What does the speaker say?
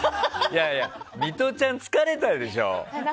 ミトちゃん、疲れたでしょ。